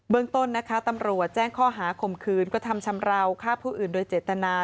เมืองต้นนะคะตำรวจแจ้งข้อหาข่มขืนกระทำชำราวฆ่าผู้อื่นโดยเจตนา